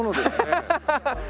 ハハハハッ。